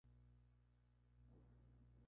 Promocionó el tema en su tour Black Star Tour.